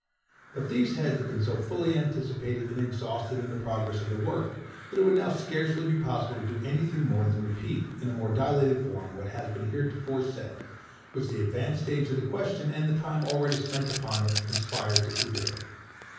But these heads have been so fully anticipated and exhausted in the progress of the work, that it would now scarcely be possible to do any thing more than repeat, in a more dilated form, what has been heretofore said, which the advanced stage of the question, and the time already spent upon it, conspire to forbid.